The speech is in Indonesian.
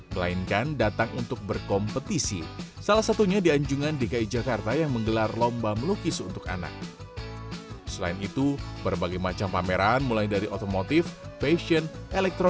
melainkan datang ke jakarta fair untuk mencari makanan yang lebih enak dan lebih enak untuk mereka sendiri